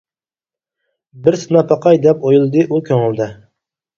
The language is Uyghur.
«بىر سىناپ باقاي» دەپ ئويلىدى ئۇ كۆڭلىدە.